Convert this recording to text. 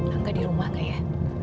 angga dirumah gak ya